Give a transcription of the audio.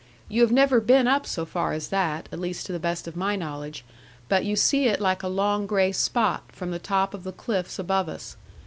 You have never been up so far as that at least to the best of my knowledge but you see it like a long gray spot, from the top of the cliffs above us.